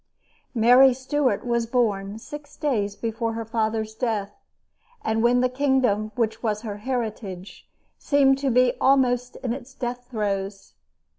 Mary Stuart was born six days before her father's death, and when the kingdom which was her heritage seemed to be almost in its death throes.